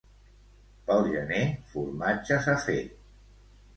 Pel gener, formatges a fer.